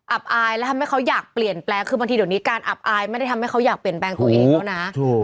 อายแล้วทำให้เขาอยากเปลี่ยนแปลงคือบางทีเดี๋ยวนี้การอับอายไม่ได้ทำให้เขาอยากเปลี่ยนแปลงตัวเองแล้วนะ